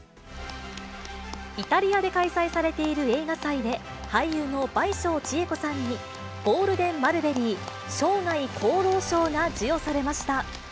イタリアで開催されている映画祭で、俳優の倍賞千恵子さんに、ゴールデン・マルベリー・生涯功労賞が授与されました。